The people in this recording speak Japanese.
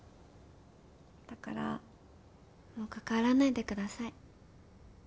だからもう関わらないでください。